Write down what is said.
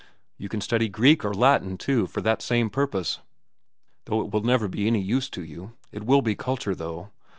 You can study Greek or Latin, too, for the same purpose, though it will never be any use to you. It will be culture, though.